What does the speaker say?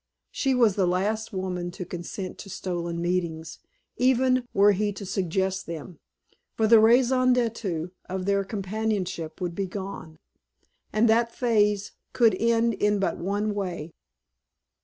She was the last woman to consent to stolen meetings, even were he to suggest them, for the raison d'etre of their companionship would be gone. And that phase could end in but one way.